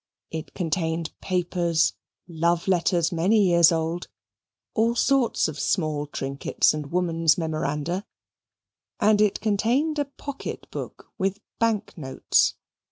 It contained papers, love letters many years old all sorts of small trinkets and woman's memoranda. And it contained a pocket book with bank notes.